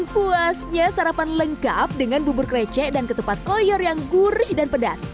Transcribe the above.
puasnya sarapan lengkap dengan bubur krecek dan ketupat koyor yang gurih dan pedas